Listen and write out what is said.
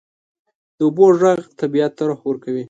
د اوبو ږغ طبیعت ته روح ورکوي.